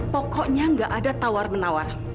pokoknya nggak ada tawar menawar